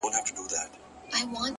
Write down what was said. انسان د خپل کردار استازی دی